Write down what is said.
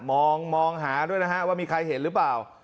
มองหาด้วยนะฮะว่ามีใครเห็นหรือเปล่า